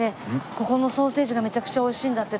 ここのソーセージがめちゃくちゃ美味しいんだって